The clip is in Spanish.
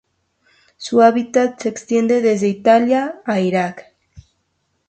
Su hábitat se extiende desde Italia a Irán.